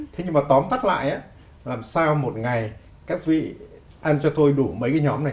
thế nhưng mà tóm tắt lại làm sao một ngày các vị ăn cho tôi đủ mấy cái nhóm này